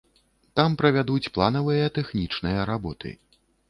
Там правядуць планавыя тэхнічныя работы.